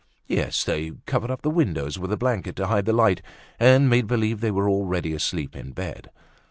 Yes, they covered up the window with a blanket to hide the light and make believe that they were already asleep in bed.